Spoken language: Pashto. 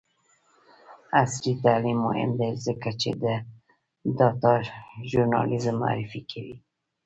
عصري تعلیم مهم دی ځکه چې د ډاټا ژورنالیزم معرفي کوي.